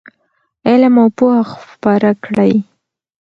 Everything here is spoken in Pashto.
علم او پوهه خپره کړئ.